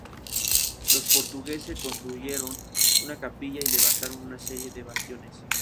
Los portuguese construyeron una capilla y levantaron una serie de bastiones.